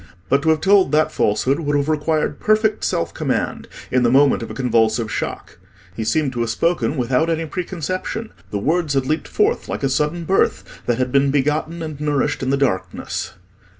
But to have told that falsehood would have required perfect self command in the moment of a convulsive shock: he seemed to have spoken without any preconception: the words had leaped forth like a sudden birth that had been begotten and nourished in the darkness.